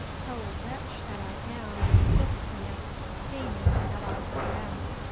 Oh! wretch that I am—miscreant, demon that I have been!